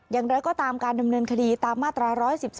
อย่างไรก็ตามการดำเนินคดีตามมาตรา๑๑๒